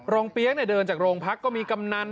เปี๊ยกเดินจากโรงพักก็มีกำนัน